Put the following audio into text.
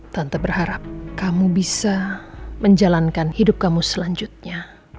tante berharap kamu bisa menjalankan hidup kamu selanjutnya